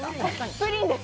プリンです。